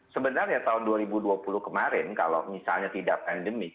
sebenarnya tahun dua ribu dua puluh kemarin kalau misalnya tidak pandemik